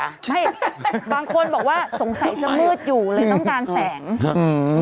ใช่บางคนบอกว่าสงสัยจะมืดอยู่เลยต้องการแสงอืม